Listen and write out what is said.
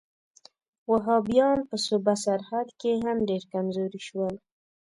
وهابیان په صوبه سرحد کې هم ډېر کمزوري شول.